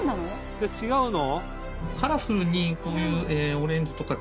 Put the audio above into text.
じゃあ違うの？